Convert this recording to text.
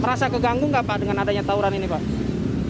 merasa keganggu nggak pak dengan adanya tawuran ini pak